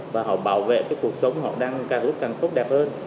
và họ bảo vệ cái cuộc sống họ đang càng lúc càng tốt đẹp hơn